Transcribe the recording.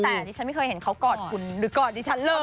แต่ดิฉันไม่เคยเห็นเขากอดคุณหรือกอดดิฉันเลย